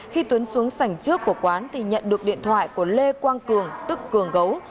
khi tuấn xuống sảnh trước của quán thì nhận được điện thoại của lê quang cường tức cường gấu